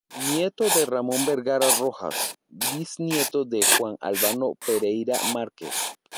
Nieto de Ramón Vergara Rojas, bisnieto de Juan Albano Pereira Márquez.